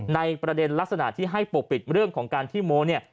ในประเด็นลักษณะที่ให้ปกปิดเรื่องของการที่โม้เนี่ย